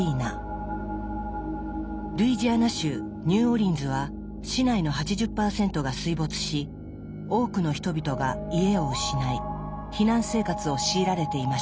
ルイジアナ州ニューオーリンズは市内の８０％が水没し多くの人々が家を失い避難生活を強いられていました。